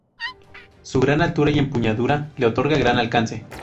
Su gran altura y empuñadura le otorga gran alcance.